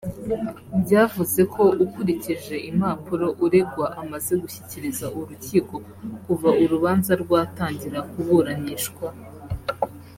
Bwavuze ko ukurikije impapuro uregwa amaze gushyikiriza urukiko kuva urubanza rwatangira kuburanishwa